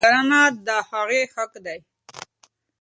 ماسوم ته پاملرنه د هغه حق دی.